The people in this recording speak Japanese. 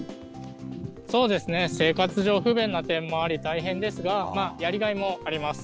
そうですね、生活上不便な点もあり、大変ですが、やりがいもあります。